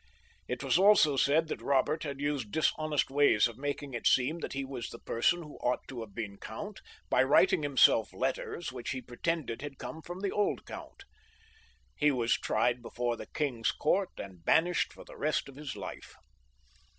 It was also said that Eobert had used dishonest ways of making it seem that he was the person who ought to have been count, by writing himself letters which he pretended had come from the old count. He was tried before the king's court, and banished for the rest of his life.